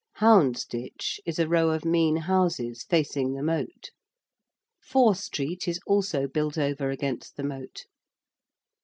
Houndsditch is a row of mean houses facing the moat. Fore Street is also built over against the moat.